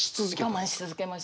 我慢し続けました。